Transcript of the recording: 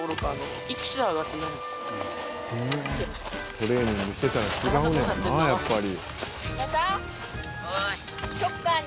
「トレーニングしてたら違うんやろうなやっぱり」